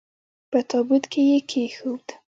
په تابوت کې یې کښېښود.